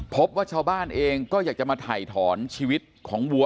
พบว่าชาวบ้านเองก็อยากจะมาถ่ายถอนชีวิตของวัว